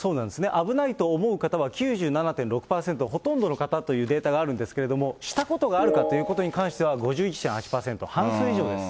危ないと思う方は９７．６％、ほとんどの方というデータがあるんですけれども、したことがあるかということに関しては５１．８％、半数以上です。